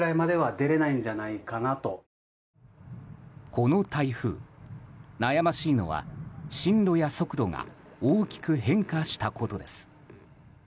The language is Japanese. この台風、悩ましいのは進路や速度が大きく変化したことです。